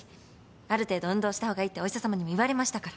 ある程度運動した方がいいってお医者さまにも言われましたから。